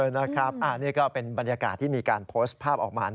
นี่ก็เป็นบรรยากาศที่มีการโพสต์ภาพออกมา